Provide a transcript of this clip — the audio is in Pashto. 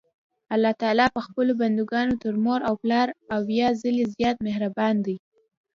الله تعالی په خپلو بندګانو تر مور او پلار اويا ځلي زيات مهربان دي.